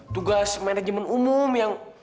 tugas manajemen umum yang